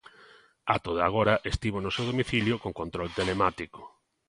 Ata o de agora estivo no seu domicilio con control telemático.